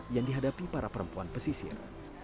yang dihadapi para perempuan pesisir